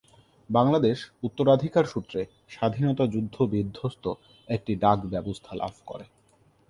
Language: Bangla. বাংলাদেশ উত্তরাধিকারসূত্রে স্বাধীনতা যুদ্ধ-বিদ্ধস্ত একটি ডাক ব্যবস্থা লাভ করে।